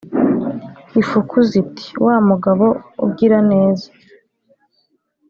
Ifuku ziti: "Wa mugabo ugira neza?"